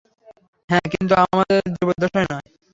হ্যাঁ, কিন্তু আমাদের জীবদ্দশায় নয়!